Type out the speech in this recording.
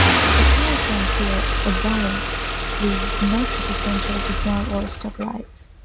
A small-town feel abounds with no traffic control signals or stop lights.